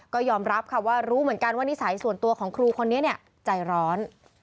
ก็ยอมรับค่ะว่ารู้เหมือนกันว่านิสัยส่วนตัวของครูคนนี้ใจร้อน